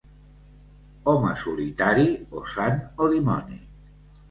Home solitari, o sant o dimoni.